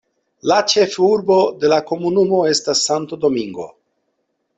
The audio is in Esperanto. La ĉefurbo de la komunumo estas Santo Domingo.